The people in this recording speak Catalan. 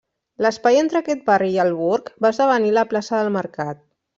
L'espai entre aquest barri i el burg va esdevenir la plaça del mercat.